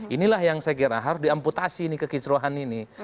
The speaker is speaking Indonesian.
inilah yang saya kira harus diamputasi kekisrohan ini